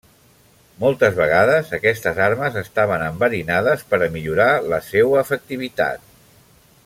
Moltes vegades, aquestes armes estaven enverinades per a millorar la seua efectivitat.